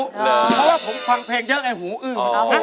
เพราะว่าผมฟังเพลงเยอะไงหูอึ้ง